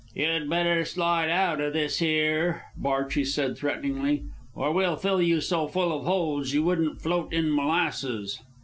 "You'd better slide outa this here," Barchi said threateningly, "or we'll fill you so full of holes you wouldn't float in molasses."